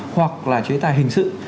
hoặc là chế tài hình sự